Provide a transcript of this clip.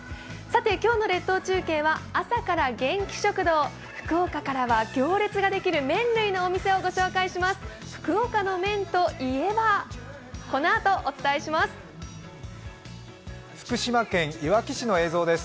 今日の列島中継は朝から元気食堂福岡からは行列ができる麺類のお店を紹介します。